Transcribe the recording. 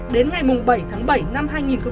đến ngày bảy tháng bảy năm hai nghìn hai mươi